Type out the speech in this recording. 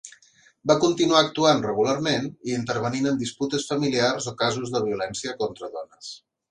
Va continuar actuant regularment i intervenint en disputes familiars o casos de violència contra dones.